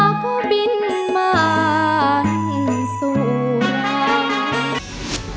หมู่นกาก็บินมาที่สุริยนต์